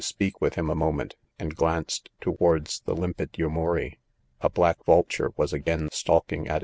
speak with ■him a moment, and glanced towards . the lim pid Yumuri. A biack vulture was again stalk ing at